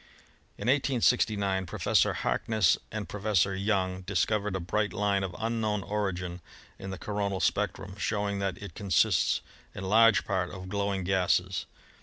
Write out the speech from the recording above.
In 1869 Professor Harkness and Professor Young dis covered a bright line of unknown origin in the coronal spectrum, showing that it consists in large part of glowing gases.